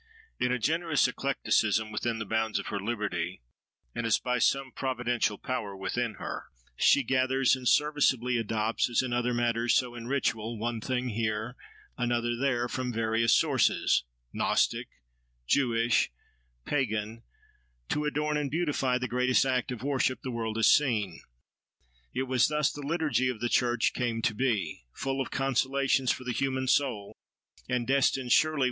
In a generous eclecticism, within the bounds of her liberty, and as by some providential power within her, she gathers and serviceably adopts, as in other matters so in ritual, one thing here, another there, from various sources—Gnostic, Jewish, Pagan—to adorn and beautify the greatest act of worship the world has seen. It was thus the liturgy of the church came to be—full of consolations for the human soul, and destined, surely!